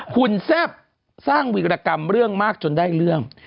คุณแซ่บสร้างวีรกรรมเรื่องมากจนได้เรื่อง